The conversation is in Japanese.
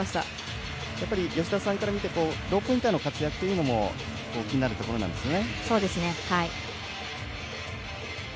吉田さんから見てローポインターの活躍も気になるところなんですね。